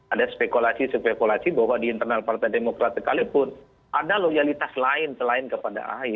ada spekulasi spekulasi bahwa di internal partai demokrat sekalipun ada loyalitas lain selain kepada ahy